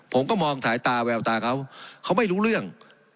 ผมก็มองสายตาแววตาเขาเขาไม่รู้เรื่อง